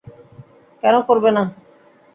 কেন করবে না?